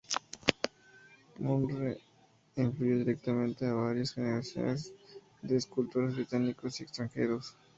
Moore influyó directamente a varias generaciones de escultores británicos y extranjeros.